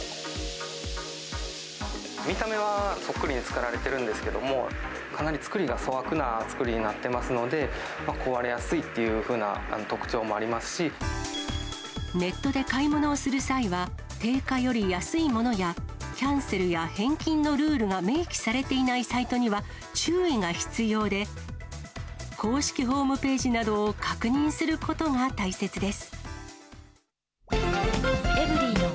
見た目はそっくりに作られてるんですけれども、かなり作りが、粗悪な作りになってますので、壊れやすいっていうネットで買い物をする際は、定価より安いものや、キャンセルや返金のルールが明記されていないサイトには注意が必要で、公式ホームページなどを確認することが大切です。